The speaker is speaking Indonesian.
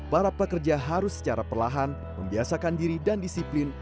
para pekerja harus secara perlahan membiasakan diri dan disiplin